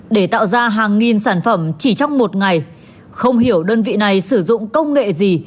để tạo ra hàng nghìn sản phẩm chỉ trong một ngày không hiểu đơn vị này sử dụng công nghệ gì